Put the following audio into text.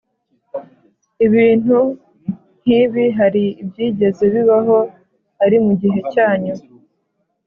Ibintu nk’ibi hari ibyigeze bibaho, ari mu gihe cyanyu,